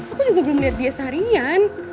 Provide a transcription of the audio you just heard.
aku juga belum lihat dia seharian